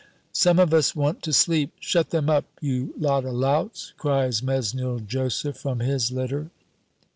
"Some of us want to sleep! Shut them up, you lot of louts!" cries Mesnil Joseph from his litter.